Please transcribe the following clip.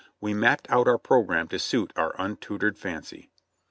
We mapped out our program to suit our untu tored fancy.